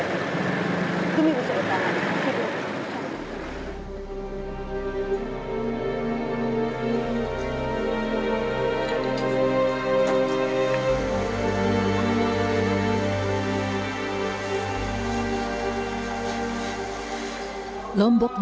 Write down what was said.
satu ada yang menghidupkan atau ber chuyka